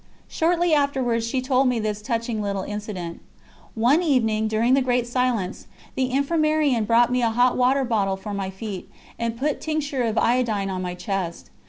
Shortly afterwards she told me this touching little incident: "One evening, during the 'Great Silence,' the Infirmarian brought me a hot water bottle for my feet, and put tincture of iodine on my chest.